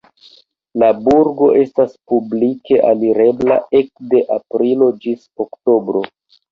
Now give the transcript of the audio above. La burgo estas publike alirebla ekde aprilo ĝis oktobro.